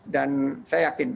dan saya yakin